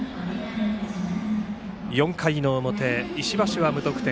４回の表、石橋は無得点。